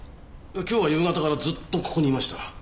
今日は夕方からずっとここにいました。